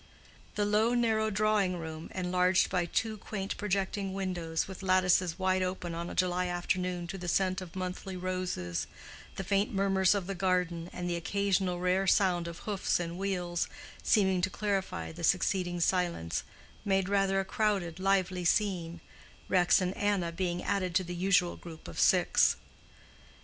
The low narrow drawing room, enlarged by two quaint projecting windows, with lattices wide open on a July afternoon to the scent of monthly roses, the faint murmurs of the garden, and the occasional rare sound of hoofs and wheels seeming to clarify the succeeding silence, made rather a crowded, lively scene, Rex and Anna being added to the usual group of six.